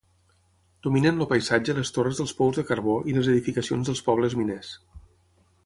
Dominen el paisatge les torres dels pous de carbó i les edificacions dels pobles miners.